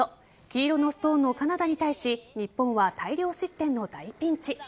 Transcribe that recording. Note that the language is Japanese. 黄色のストーンのカナダに対し日本は大量失点の大ピンチ。